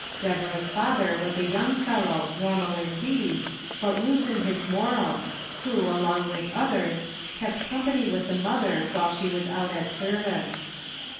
Deborah's father was a young fellow, normal indeed, but loose in his morals, who, along with others, kept company with the mother while she was out at service.